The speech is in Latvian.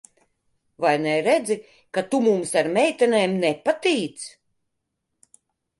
Vai neredzi, ka tu mums ar meitenēm nepatīc?